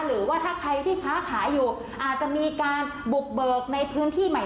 หรือว่าถ้าใครที่ค้าขายอยู่อาจจะมีการบุกเบิกในพื้นที่ใหม่